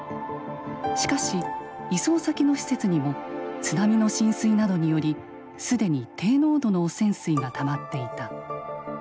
しかし移送先の施設にも津波の浸水などにより既に低濃度の汚染水がたまっていた。